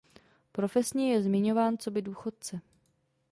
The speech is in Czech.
Profesně je zmiňován coby důchodce.